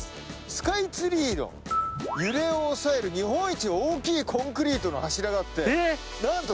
スカイツリーの揺れを抑える日本一大きいコンクリートの柱があって何とその。